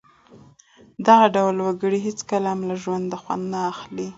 دغه ډول وګړي هېڅکله هم له ژوندانه خوند نه اخلي.